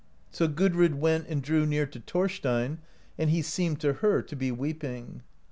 So Gudrid went and drew near to Thorstein, and he seemed to her to be weeping.